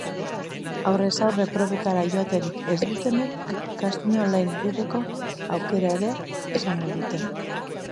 Aurrez aurreko probetara joaterik ez dutenek castinga online egiteko aukera ere izango dute.